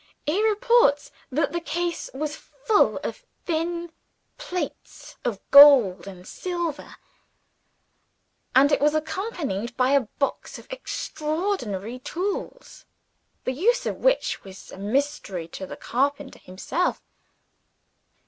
He reports that the case was full of thin plates of gold and silver; and it was accompanied by a box of extraordinary tools, the use of which was a mystery to the carpenter himself.